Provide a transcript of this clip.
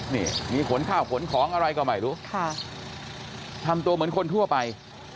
นี่มีขนข้าวขนของอะไรก็ไม่รู้ค่ะทำตัวเหมือนคนทั่วไป